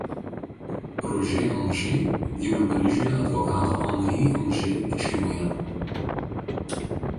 Roger Anger gimė Paryžiuje advokato Henri Anger šeimoje.